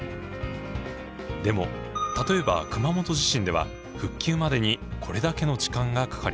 でも例えば熊本地震では復旧までにこれだけの時間がかかりました。